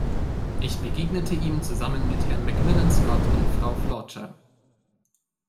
Ich begegnete ihm zusammen mit Herrn McMillan-Scott und Frau Flautre.